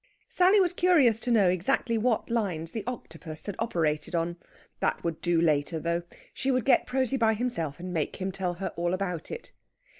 Sally was curious to know exactly what lines the Octopus had operated on. That would do later, though. She would get Prosy by himself, and make him tell her all about it.